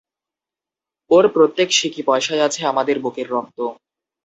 ওর প্রত্যেক সিকি পয়সায় আছে আমাদের বুকের রক্ত।